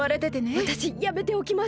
わたしやめておきます。